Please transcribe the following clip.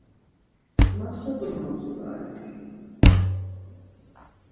Ma so domompulare?